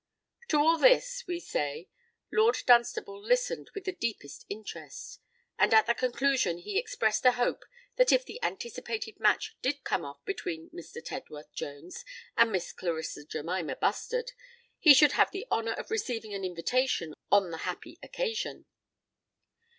To all this, we say, Lord Dunstable listened with the deepest interest; and, at the conclusion, he expressed a hope that if the anticipated match did come off between Mr. Tedworth Jones and Miss Clarissa Jemima Bustard, he should have the honour of receiving an invitation on the happy occasion.